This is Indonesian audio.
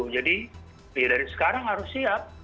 jadi dari sekarang harus siap